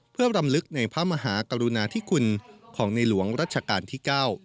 เพื่อรำลึกในพระมหากรุณาธิคุณของในหลวงรัชกาลที่๙